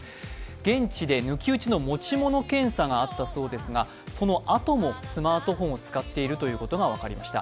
現地で抜き打ちの持ち物検査があったそうですがそのあともスマートフォンを使っていることが分かりました。